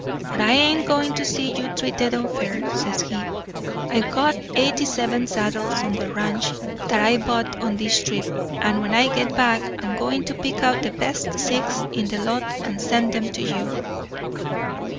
But I ain't going to see you treated unfair,' says he. 'I've got eighty seven saddles on the ranch what I've bought on this trip; and when I get back I'm going to pick out the best six in the lot and send 'em to you.